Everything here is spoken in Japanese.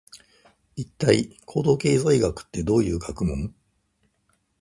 一体、行動経済学ってどういう学問？